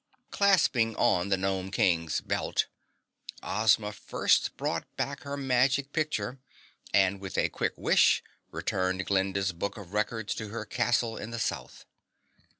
Clasping on the Gnome King's belt, Ozma first brought back her magic picture and with a quick wish returned Glinda's book of records to her castle in the South.